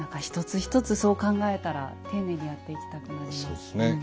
一つ一つそう考えたら丁寧にやっていきたくなりますね。